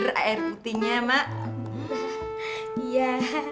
pasti ya enak ya